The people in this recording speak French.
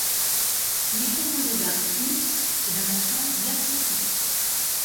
Il est composé d'un U est un accent diacritique.